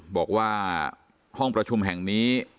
บอกว่าห้องประชุมแห่งนี้